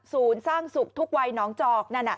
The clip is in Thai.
ศูนย์สร้างสุขทุกวัยน้องจอกนั้นอะ